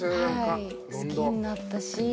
はい好きになったし。